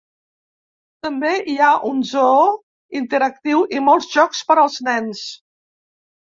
També hi ha un zoo interactiu i molts jocs per als nens.